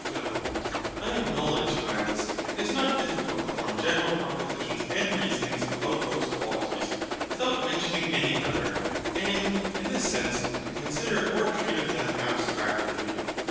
PHIL. I acknowledge, Hylas, it is not difficult to form general propositions and reasonings about those qualities, without mentioning any other; and, in this sense, to consider or treat of them abstractedly.